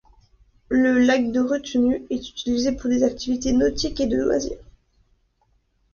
Le lac de retenue est utilisé pour des activités nautiques et de loisirs.